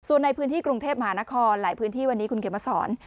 ส่วนในพื้นที่กรุงเทพมหานครหลายพื้นที่วันนี้คุณเขียนมาสอน